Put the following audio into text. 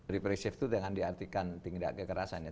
represif itu dengan diartikan tindak kekerasannya